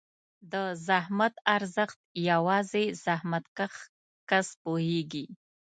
د زحمت ارزښت یوازې زحمتکښ کس پوهېږي.